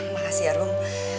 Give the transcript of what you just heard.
makasih ya rom